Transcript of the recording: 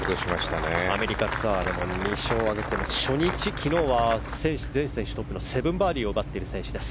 アメリカツアーでも２勝挙げての初日、昨日は全選手トップの７バーディーを奪っている選手です。